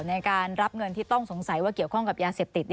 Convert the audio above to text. ในการรับเงินที่ต้องสงสัยว่าเกี่ยวข้องกับยาเสพติด